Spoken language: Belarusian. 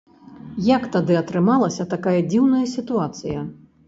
Як тады атрымалася такая дзіўная сітуацыя?